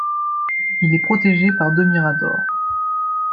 Il est protégé par deux miradors.